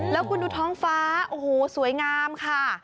แล้วคุณดูท้องฟ้าโอ้โหสวยงามค่ะ